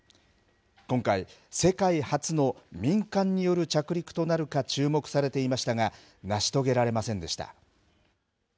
今回、世界初の民間による着陸となるか注目されていましたが、成し遂げられませんでした。